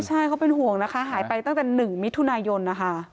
ใช่เขาเป็นห่วงนะคะหายไปตั้งแต่๑มิถุนายนนะคะ